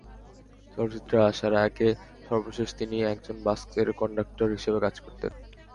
চলচ্চিত্রে আসার আগে সর্বশেষ তিনি একজন বাসের কন্ডাক্টর হিসেবে কাজ করতেন।